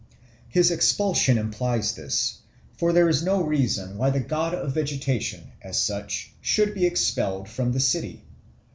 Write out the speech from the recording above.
His expulsion implies this; for there is no reason why the god of vegetation, as such, should be expelled the city.